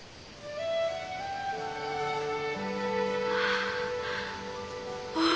ああ！